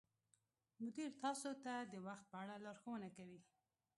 مدیر تاسو ته د وخت په اړه لارښوونه کوي.